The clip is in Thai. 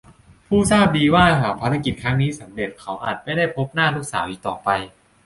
ผู้ทราบดีว่าหากภารกิจครั้งนี้สำเร็จเขาอาจไม่ได้พบหน้าลูกสาวอีกต่อไป